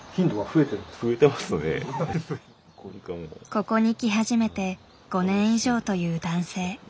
ここに来始めて５年以上という男性。